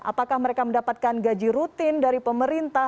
apakah mereka mendapatkan gaji rutin dari pemerintah